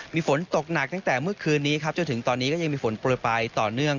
มีฝนตกหนักตั้งแต่เมื่อคืนนี้ครับจนถึงตอนนี้ก็ยังมีฝนโปรยปลายต่อเนื่อง